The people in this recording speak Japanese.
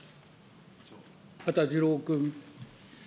羽田次郎君。